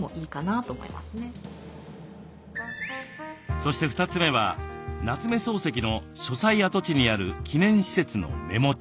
そして２つ目は夏目漱石の書斎跡地にある記念施設のメモ帳。